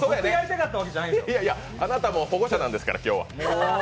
ＬＥＯ君あなたも保護者なんですから今日は。